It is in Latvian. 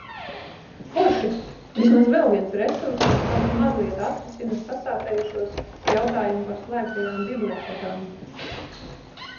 Forši, vismaz vēl viens resurss, kas kaut mazliet atrisina sasāpējušos jautājumu par slēgtajām bibliotēkām.